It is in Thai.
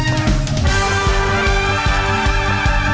ขอบคุณมากค่ะ